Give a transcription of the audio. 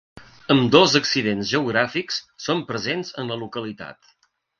Ambdós accidents geogràfics són presents en la localitat.